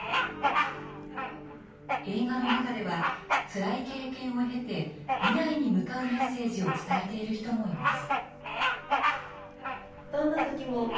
映画の中では、つらい経験を経て、未来に向かうメッセージを伝えている人もいます。